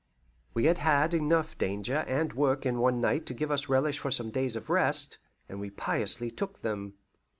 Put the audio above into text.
We had had enough danger and work in one night to give us relish for some days of rest, and we piously took them.